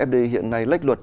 fdi hiện nay lách luật